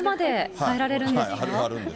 変えられるんです。